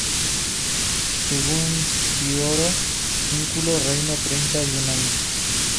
Según Diodoro Sículo reinó treinta y un años.